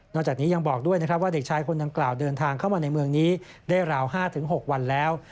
จากนี้ยังบอกด้วยนะครับว่าเด็กชายคนดังกล่าวเดินทางเข้ามาในเมืองนี้ได้ราว๕๖วันแล้ว